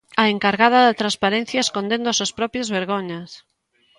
¡A encargada da transparencia escondendo as súas propias vergoñas!